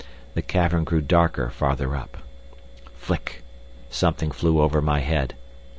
The cavern grew darker farther up. Flick! something flew over my head.